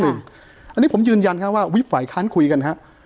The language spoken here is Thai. อันนี้ผมยืนยันว่าวิบฝ่ายค้านคุยกันฮะ